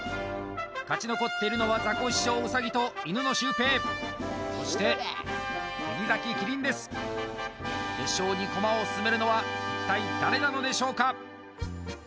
勝ち残っているのはザコシショウウサギとイヌのシュウペイそして国崎キリンです決勝にコマを進めるのは一体誰なのでしょうか？